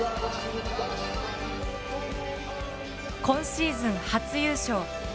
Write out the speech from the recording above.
今シーズン初優勝。